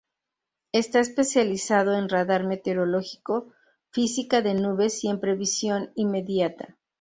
Está especializado en radar meteorológico, física de nubes y en previsión inmediata.